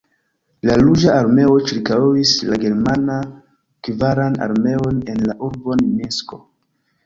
La Ruĝa Armeo ĉirkaŭis la Germana Kvaran Armeon en la urbon Minsko.